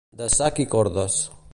De sac i cordes.